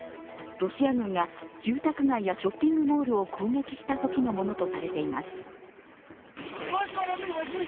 ロシア軍が住宅街やショッピングモールを攻撃したときのものとされています。